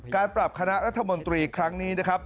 การปรับคณะรัฐมนตรีครั้งนี้นะครับ